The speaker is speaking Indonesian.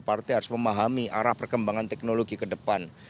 partai harus memahami arah perkembangan teknologi ke depan